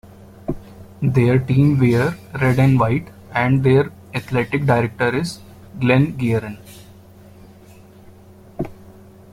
Their teams wear red and white and their athletic director is Glen Gearin.